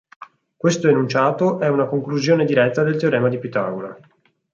Questo enunciato è una conclusione diretta del teorema di Pitagora.